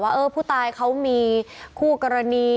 ว่าเออผู้ตายเค้ามีคู่กรณี